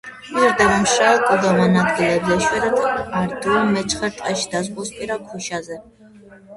იზრდება მშრალ და კლდოვან ადგილებზე, იშვიათად არიდულ მეჩხერ ტყეში და ზღვისპირა ქვიშაზე.